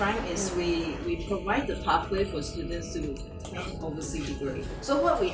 salah satu kesempatan adalah kita memberikan pathway untuk para pelajar untuk mendapatkan pendapatan